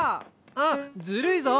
あっずるいぞ！